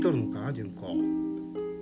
純子。